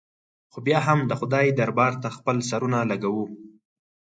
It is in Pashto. خو بیا هم د خدای دربار ته خپل سرونه لږوو.